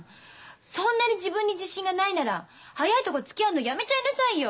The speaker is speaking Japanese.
そんなに自分に自信がないなら早いとこつきあうのやめちゃいなさいよ！